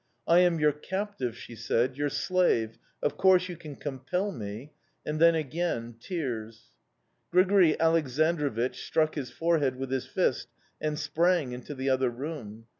"'I am your captive,' she said, 'your slave; of course, you can compel me.' "And then, again tears. "Grigori Aleksandrovich struck his forehead with his fist and sprang into the other room.